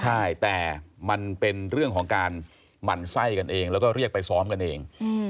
ใช่แต่มันเป็นเรื่องของการหมั่นไส้กันเองแล้วก็เรียกไปซ้อมกันเอง